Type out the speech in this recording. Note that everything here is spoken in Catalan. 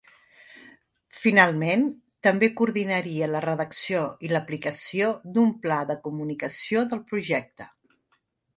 Finalment, també coordinaria la redacció i l'aplicació d'un pla de comunicació del projecte.